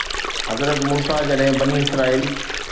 حضرت موسيٰ جڏهن بني اسرائيل